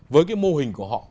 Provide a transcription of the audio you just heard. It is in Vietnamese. với cái mô hình của họ